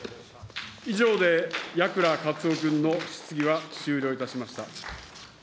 以上で矢倉克夫君の質疑は終了いたしました。